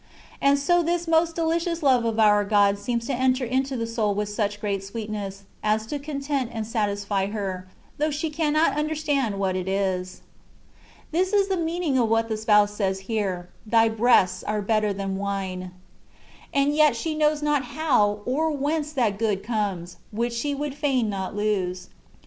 And so this most delicious love of our God seems to enter into the soul with such great sweetness, as to content and satisfy her, though she cannot understand what it is. This is the meaning of what the Spouse says here :—" Thy breasts are better than wine.'' And yet she knows not how, nor whence that good comes, which she would fain not lose.